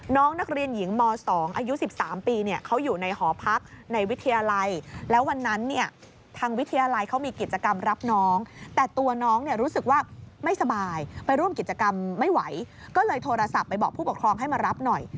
น้องนักเรียนหญิงม๒อายุ๑๓ปีเขาอยู่ในหอพักในวิทยาลัย